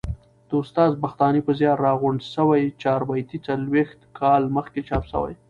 د استاد بختاني په زیار راغونډي سوې چاربیتې څلوبښت کال مخکي چاپ سوې.